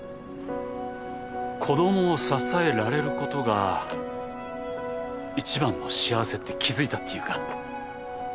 子供を支えられることが一番の幸せって気付いたっていうか。